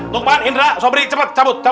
lukman indra sobri cepat cabut